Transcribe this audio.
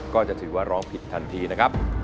ก็จะถือว่าร้องผิดทันทีนะครับ